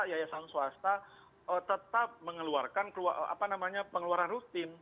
yayasan swasta tetap mengeluarkan pengeluaran rutin